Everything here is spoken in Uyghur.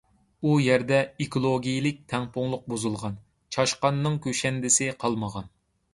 ئۇ يەردە ئېكولوگىيىلىك تەڭپۇڭلۇق بۇزۇلغان، چاشقاننىڭ كۈشەندىسى قالمىغان.